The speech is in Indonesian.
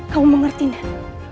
kamu mengerti nek